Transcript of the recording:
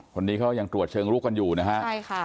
คนนี้ก็ยังตรวจเชิงลูกกันอยู่นะคะ